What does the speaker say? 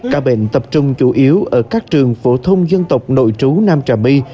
ca bệnh tập trung chủ yếu ở các trường phổ thông dân tộc nội trú nam trà my